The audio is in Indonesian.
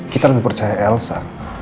kita lebih percaya elsa